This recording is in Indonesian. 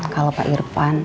kalau pak irfan